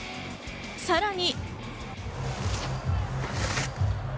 さらに。